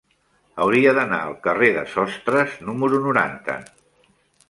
Hauria d'anar al carrer de Sostres número noranta.